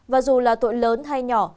và dù là tội lớn hay nhỏ